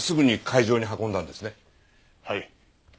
はい。